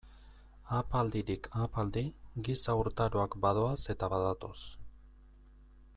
Ahapaldirik ahapaldi giza urtaroak badoaz eta badatoz.